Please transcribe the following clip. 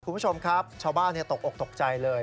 คุณผู้ชมครับชาวบ้านตกออกตกใจเลย